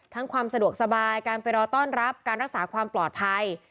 ความสะดวกสบายการไปรอต้อนรับการรักษาความปลอดภัย